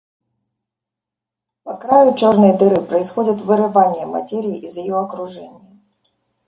По краю черной дыры происходит вырывание материи из ее окружения.